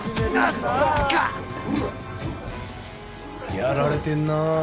やられてんな。